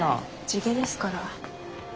地毛ですから。